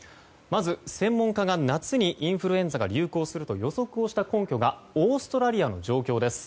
まず、専門家が夏にインフルエンザが流行すると予測した根拠がオーストラリアの状況です。